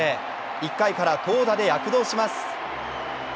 １回から投打で躍動します。